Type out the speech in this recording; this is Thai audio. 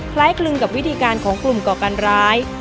คลึงกับวิธีการของกลุ่มก่อการร้าย